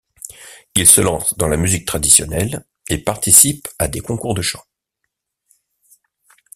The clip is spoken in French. Il se lance dans la musique traditionnelle et participe à des concours de chant.